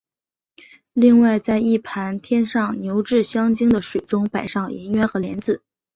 另外在一盘添上牛至香精的水中摆上银元和莲子。